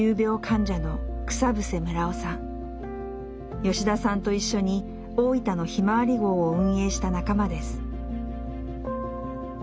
吉田さんと一緒に大分のひまわり号を運営した仲間です。